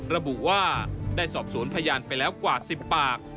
ระบุว่าได้สอบสวนพยานไปแล้วกว่า๑๐ปาก